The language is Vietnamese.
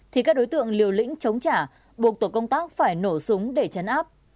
thì các đối tượng liều lĩnh chống trả buộc tổ công tác phải nổ súng để chấn áp